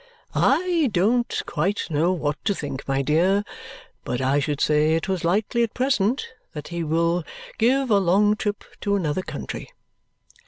"I don't quite know what to think, my dear, but I should say it was likely at present that he will give a long trip to another country."